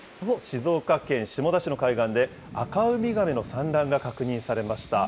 静岡県下田市の海岸で、アカウミガメの産卵が確認されました。